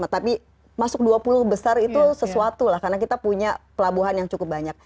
tapi masuk dua puluh besar itu sesuatu lah karena kita punya pelabuhan yang cukup banyak